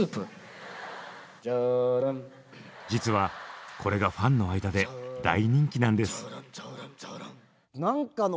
実はこれがファンの間で大人気なんです。